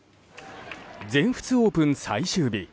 全仏オープン最終日。